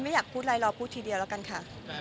อยากพูดอะไรรอพูดทีเดียวแล้วกันค่ะ